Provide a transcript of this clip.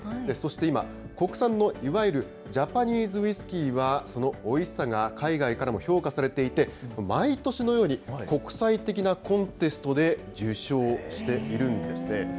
そして今、国産のいわゆるジャパニーズウイスキーはそのおいしさが海外からも評価されていて、毎年のように、国際的なコンテストで受賞しているんですね。